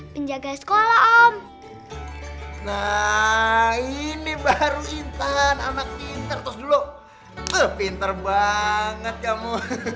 penjaga sekolah om nah ini baru intan anak pinter terus dulu pinter banget kamu